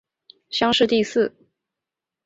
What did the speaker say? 乡试第四。